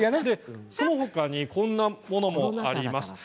そのほかにこんなものもあります。